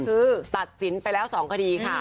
คือตัดสินไปแล้ว๒คดีค่ะ